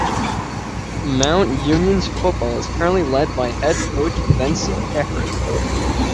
Mount Union's football is currently led by head coach Vince Kehres.